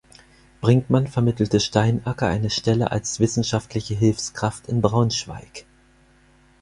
Brinckmann vermittelte Steinacker eine Stelle als wissenschaftliche Hilfskraft in Braunschweig.